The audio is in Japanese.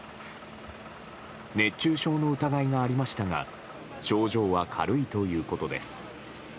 熱中症の疑いがありましたが症状は軽いということです。